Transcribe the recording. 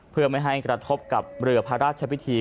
เพื่อไม่ให้กระทบกับเรือพระราชพิธี